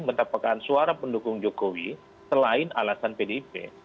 mereka menerapkan suara pendukung jokowi selain alasan pdp